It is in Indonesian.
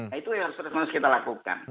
nah itu yang harus kita lakukan